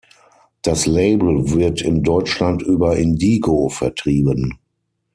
Das Label wird in Deutschland über Indigo vertrieben.